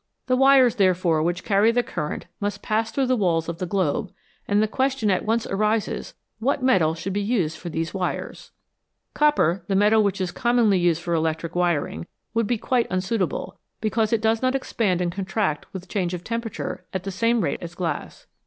The wires, therefore, which carry the current must pass through the walls of the globe, and the question at once arises, what metal should be used for these wires ? Copper, the metal which is s' commonly used for electric wiring, would be quite unsuitable, because it does not expand and contract with change of tempera ture at the same rate as glass.